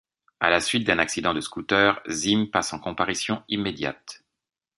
À la suite d'un accident de scooter, Zim passe en comparution immédiate.